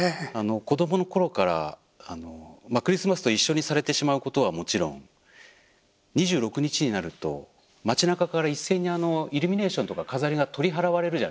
子どもの頃からクリスマスと一緒にされてしまうことはもちろん２６日になると街なかから一斉にイルミネーションとか飾りが取り払われるじゃないですか。